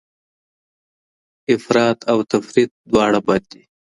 افراط او تفریط دواړه بد دي.